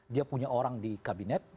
dia punya orang di kabinet